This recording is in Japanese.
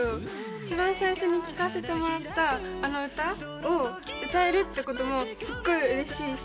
一番最初に聞かせてもらったあの歌を歌えるって事もすっごい嬉しいし。